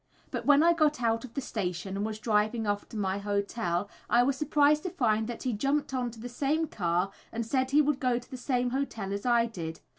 But when I got out of the station and was driving off to my hotel, I was surprised to find that he jumped on to the same car, and said he would go to the same hotel as I did.